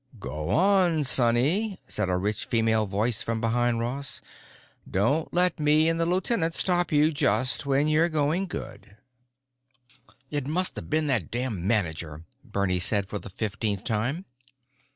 "Go on, sonny," said a rich female voice from behind Ross. "Don't let me and the lieutenant stop you just when you're going good." "It must have been that damn manager," Bernie said for the fifteenth time.